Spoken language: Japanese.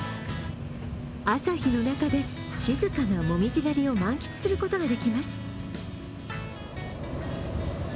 朝日の中で静かな紅葉狩りを満喫することができます。